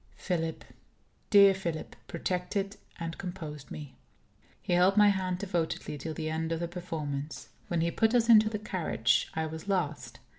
Philip, dear Philip, protected and composed me. He held my hand devotedly till the end of the performance. When he put us into the carriage, I was last.